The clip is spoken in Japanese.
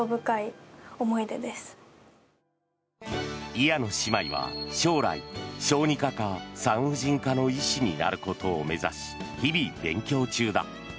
伊谷野姉妹は将来小児科か産婦人科の医師になることを目指し日々勉強中だ。